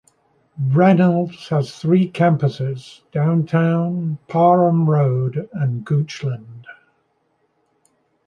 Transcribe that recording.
Reynolds has three campuses: Downtown, Parham Road, and Goochland.